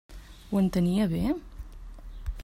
Ho entenia bé?